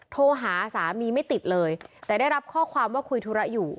โทรหาสามีไม่ติดเลยแต่ได้รับข้อความว่าคุยธุระอยู่